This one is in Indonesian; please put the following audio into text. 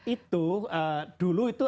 itu dulu itu